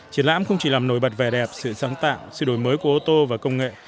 triển lãm không chỉ làm nổi bật vẻ đẹp sự sáng tạo sự đổi mới của ô tô và công nghệ